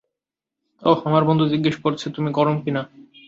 ওহ, আমার বন্ধু জিজ্ঞেস করছে তুমি গরম কিনা।